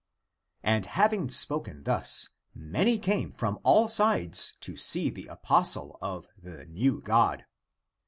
And having spoken thus, many came from all sides to see the apostle of the new God.